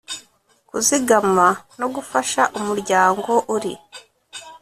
kuzigama no gufasha umuryango uri